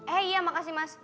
eh iya makasih mas